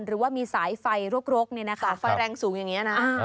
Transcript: หรือว่ามีสายไฟรกไฟแรงสูงอย่างนี้นะ